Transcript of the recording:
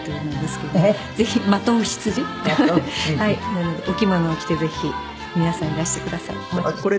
なのでお着物を着てぜひ皆さんいらしてください。